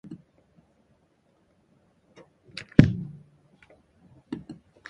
君は写真集を抱えて、僕は機械をポケットに入れて、いくらでも歩いた